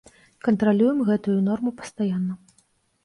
Кантралюем гэтую норму пастаянна.